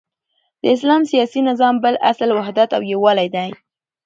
د اسلام سیاسی نظام بل اصل وحدت او یوالی دی،